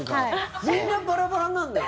みんなバラバラになるんだよ。